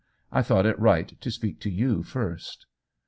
I thought it right to speak to you first."